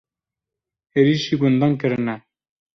Êrişî gundan kirine.